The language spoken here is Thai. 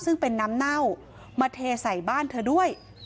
ซึ่งเป็นน้ำเน่ามาเทใส่บ้านเธอด้วย